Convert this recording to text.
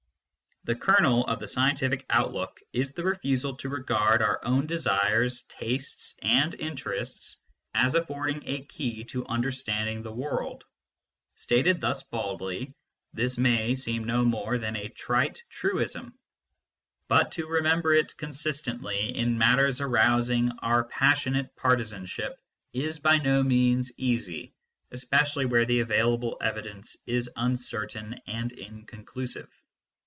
The kernel of the scientific outlook is the refusal to regard our own desires, tastes, and interests as affording a key to the understanding of the world. Stated thus baldly, this may seem no more than a trite truism. But to remember it consistently in matters arousing our passionate partisanship is by no means easy, especially where the available evidence is uncertain and inconclusive.